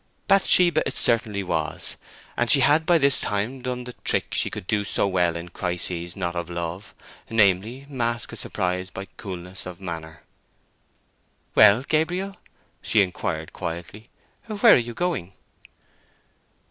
Bathsheba it certainly was, and she had by this time done the trick she could do so well in crises not of love, namely, mask a surprise by coolness of manner. "Well, Gabriel," she inquired quietly, "where are you going?"